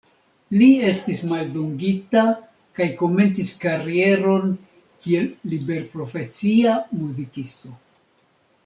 Li estis maldungita kaj komencis karieron kiel liberprofesia muzikisto.